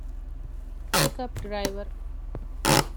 ޕިކަޕް ޑްރައިވަރ